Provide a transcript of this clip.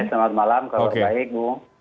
selamat malam kalau baik